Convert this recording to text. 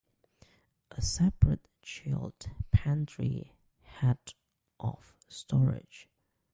A separate chilled pantry had of storage.